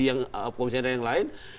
atau komisi yang lain